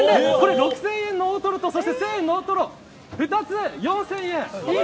６０００円の大トロと１０００円の中トロ２つで４０００円。